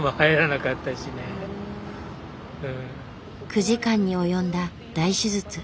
９時間に及んだ大手術。